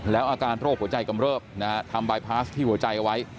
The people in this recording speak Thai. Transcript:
แล้วอาการโรคหัวใจกำเริบนะฮะทำบายพาสที่หัวใจเอาไว้